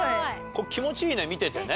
気持ちいいね見ててね。